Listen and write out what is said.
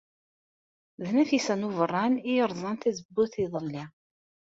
D Nafisa n Ubeṛṛan ay yerẓan tazewwut iḍelli.